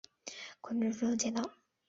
馆试后授检讨。